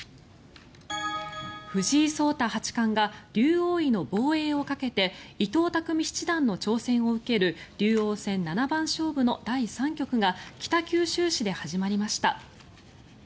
藤井聡太八冠が竜王位の防衛をかけて伊藤匠七段の挑戦を受ける竜王戦七番勝負の第３局が北九州市で始まりました。